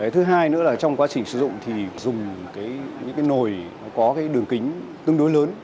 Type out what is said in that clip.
thứ hai nữa là trong quá trình sử dụng thì dùng những cái nồi có cái đường kính tương đối lớn